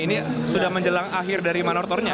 ini sudah menjelang akhir dari manortornya